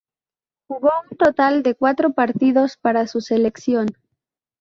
Jugó un total de cuatro partidos para su selección.